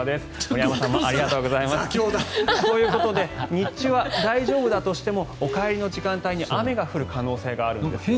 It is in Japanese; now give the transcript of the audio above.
森山さんもありがとうございますということで日中は大丈夫だとしてもお帰りの時間帯に雨が降る可能性があるんです。